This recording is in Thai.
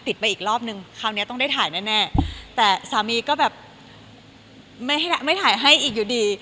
ติดไปอีกรอบหนึ่งคราวเนี้ยต้องได้ถ่ายแน่แน่แต่สามีก็แบบไม่ให้ไม่ถ่ายให้อีกอยู่ดี